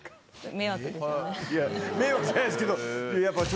迷惑じゃないですけど。